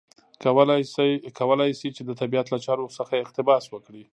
کولای شي چې د طبیعت له چارو څخه اقتباس وکړي.